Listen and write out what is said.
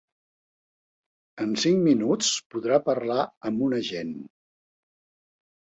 En cinc minuts podrà parlar amb un agent.